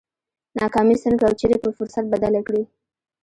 ناکامي څنګه او چېرې پر فرصت بدله کړي؟